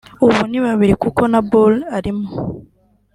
ubu ni babiri kuko na Bull arimo